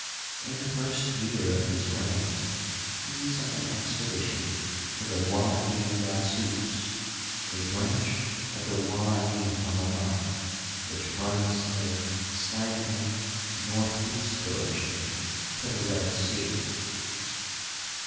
In the first year of his reign he sent an expedition to the Wadi Gasus, a branch of the Widi Hammamit, which runs in a slanting (northeast) direction to the Red Sea.